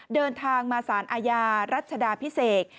เดินทางมาสารอาญารัชดาพิเศษ